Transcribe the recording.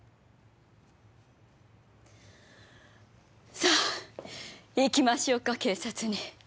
さあ行きましょうか警察に。